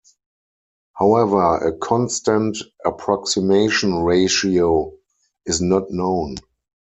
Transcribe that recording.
However, a constant approximation ratio is not known.